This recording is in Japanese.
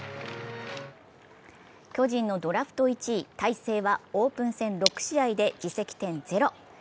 巨人のドラフト１位・大勢はオープン戦６試合で自責点ゼロ。